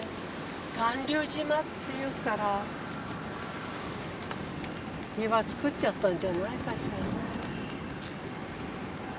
巌流島っていうから岩作っちゃったんじゃないかしら。